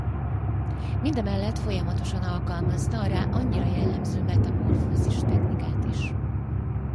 Mindemellett folyamatosan alkalmazta a rá annyira jellemző metamorfózis technikát is.